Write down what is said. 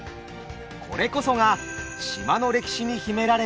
これこそが島の歴史に秘められた謎。